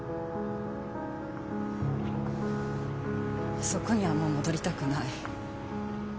あそこにはもう戻りたくない。